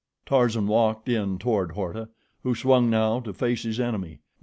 Tarzan walked in toward Horta, who swung now to face his enemy.